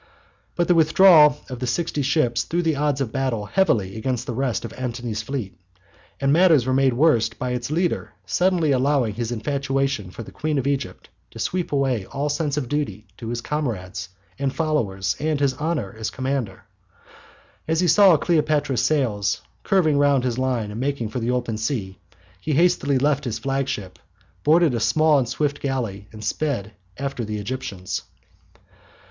But the withdrawal of the sixty ships threw the odds of battle heavily against the rest of Antony's fleet. And matters were made worse by its leader suddenly allowing his infatuation for the Queen of Egypt to sweep away all sense of his duty to his comrades and followers and his honour as a commander. As he saw Cleopatra's sails curving round his line and making for the open sea, he hastily left his flagship, boarded a small and swift galley, and sped after the Egyptians.